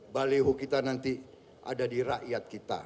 baliho kita nanti ada di rakyat kita